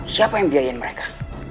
siapa yang biayain mereka